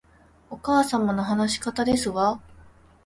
お母様の話し方ですわ